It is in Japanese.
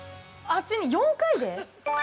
◆あっちに、４回で？